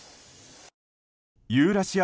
ユーラシア